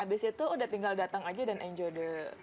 abis itu udah tinggal datang aja dan enjoy the party